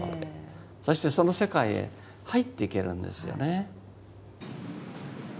そしてその世界へ入っていけるんですよね。